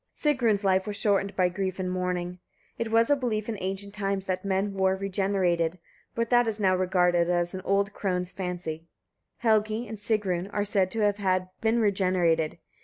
Sigrun's life was shortened by grief and mourning. It was a belief in ancient times that men were regenerated, but that is now regarded as an old crone's fancy. Helgi and Sigrun are said to have been regenerated.